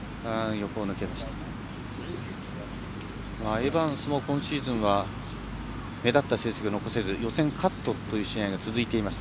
エバンスも今シーズンは目立った成績を残せず予選カットという試合が続いていました。